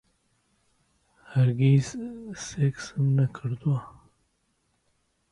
هەرگیز سێکسم نەکردووە.